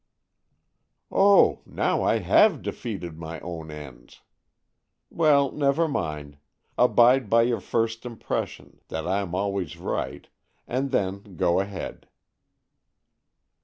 "Oh, now I have defeated my own ends! Well, never mind; abide by your first impression,—that I'm always right,—and then go ahead."